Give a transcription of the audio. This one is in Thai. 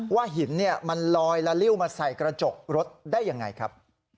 ว่าหินมันลอยแล้วลิ่วมาใส่กระจกรถได้อย่างไรครับ